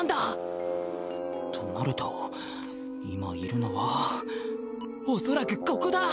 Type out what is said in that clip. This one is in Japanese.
となると今いるのはおそらくここだ！